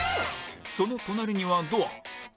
その隣にはドア